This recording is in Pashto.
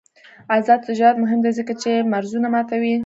آزاد تجارت مهم دی ځکه چې مرزونه ماتوي.